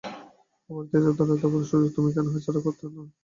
অপরাধীদের ধরার এতবড় সুযোগ তুমি কেন হাতছাড়া করতে চাও?